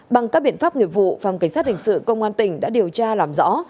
bằng các biện pháp nghiệp vụ phòng cảnh sát hình sự công an tỉnh đã điều tra làm rõ